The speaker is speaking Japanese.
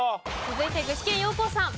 続いて具志堅用高さん。